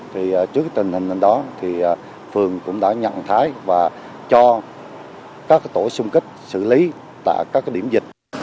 thì trước tình hình đó thì phường cũng đã nhận thái và cho các tổ xung kích xử lý tại các điểm dịch